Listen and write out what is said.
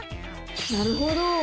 なるほど！